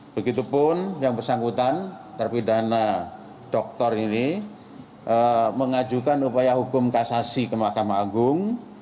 begitupun yang bersangkutan terpidana doktor ini mengajukan upaya hukum kasasi ke mahkamah agung